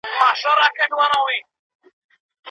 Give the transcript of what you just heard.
ساه اخیستل زما لپاره سخت وو.